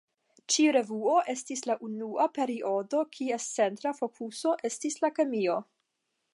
Ĉi-revuo estis la unua periodo kies centra fokuso estis la kemio.